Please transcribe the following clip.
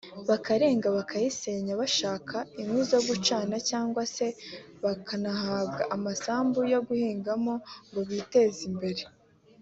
bakarenga bakayisenya bashaka inkwi zo gucana cyangwa se banahabwa amasambu yo guhingamo ngo biteze imbere